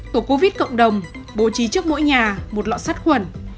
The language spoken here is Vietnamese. tổ covid cộng đồng bố trí trước mỗi nhà một lọ sắt khuẩn